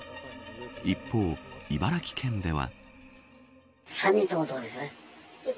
一方、茨城県では。